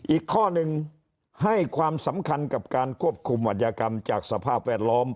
อีกข้อหนึ่งให้ความสำคัญกับการควบคุมอัธยกรรมจากสภาพแวดล้อม